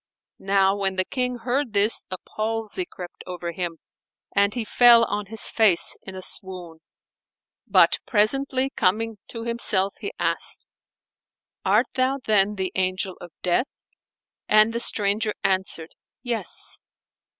Now when the King heard this a palsy crept over him[FN#459] and he fell on his face in a swoon; but presently coming to himself, he asked, "Art thou then the Angel of Death?"; and the stranger answered, "Yes."